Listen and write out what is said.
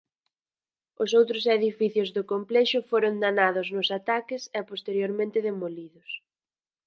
Os outros edificios do complexo foron danados nos ataques e posteriormente demolidos.